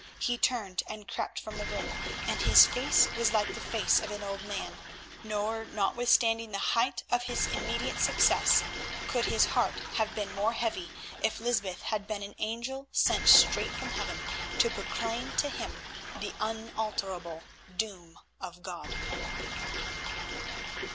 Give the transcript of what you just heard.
He turned and crept from the room, and his face was like the face of an old man, nor, notwithstanding the height of his immediate success, could his heart have been more heavy if Lysbeth had been an angel sent straight from Heaven to proclaim to him the unalterable doom of God.